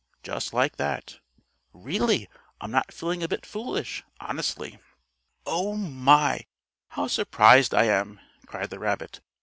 just like that. Really I'm not fooling a bit; honestly. "Oh my! How surprised I am!" cried the rabbit.